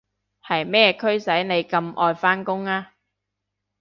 係咩驅使你咁愛返工啊？